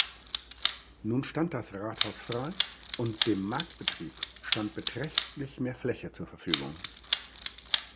Nun stand das Rathaus frei und dem Marktbetrieb stand beträchtlich mehr Fläche zur Verfügung.